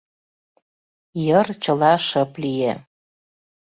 Йыр чыла шып лие.